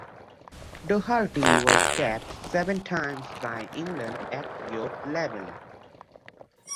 Doherty was capped seven times by England at youth level.